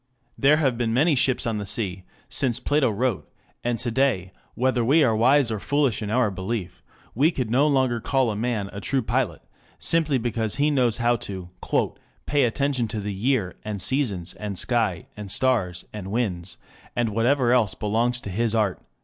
There have been many ships on the sea, since Plato wrote, and to day, whether we are wise or foolish in our belief, we could no longer call a man a true pilot, simply because he knows how to "pay attention to the year and seasons and sky and stars and winds, and whatever else belongs to his art."